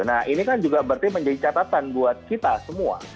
nah ini kan juga berarti menjadi catatan buat kita semua